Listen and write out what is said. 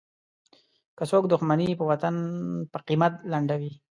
که څوک دوښمني په وطن په قیمت لنډوي.